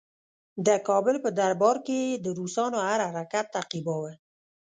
د کابل په دربار کې یې د روسانو هر حرکت تعقیباوه.